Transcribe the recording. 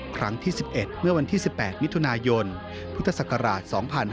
ครั้งที่๑๑เมื่อวันที่๑๘มิถุนายนพุทธศักราช๒๕๕๙